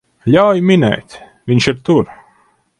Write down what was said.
Ļauj minēt, viņš ir tur?